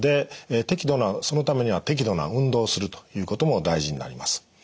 そのためには適度な運動をするということも大事になります。